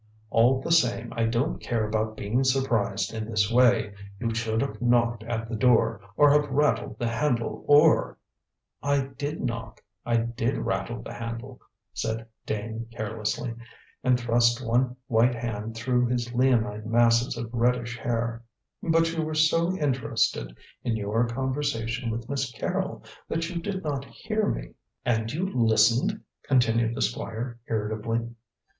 All the same, I don't care about being surprised in this way. You should have knocked at the door, or have rattled the handle, or " "I did knock, I did rattle the handle," said Dane carelessly, and thrust one white hand through his leonine masses of reddish hair; "but you were so interested in your conversation with Miss Carrol that you did not hear me." "And you listened?" continued the Squire irritably.